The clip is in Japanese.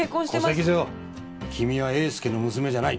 戸籍上君は栄介の娘じゃない。